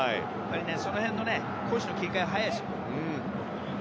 その辺の攻守の切り替えは早いですよ。